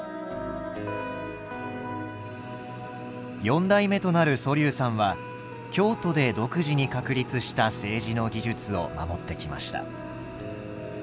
四代目となる蘇嶐さんは京都で独自に確立した青磁の技術を守ってきました。